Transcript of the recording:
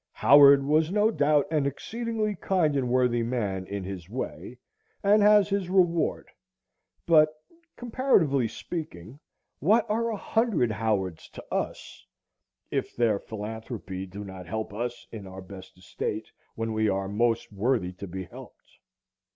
Howard was no doubt an exceedingly kind and worthy man in his way, and has his reward; but, comparatively speaking, what are a hundred Howards to us, if their philanthropy do not help us in our best estate, when we are most worthy to be helped?